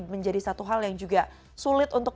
menjadi satu hal yang juga sulit untuk